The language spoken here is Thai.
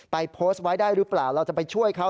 โพสต์ไว้ได้หรือเปล่าเราจะไปช่วยเขา